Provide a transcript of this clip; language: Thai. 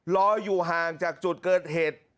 รออยู่ห่างจากจุดเกิดเหตุ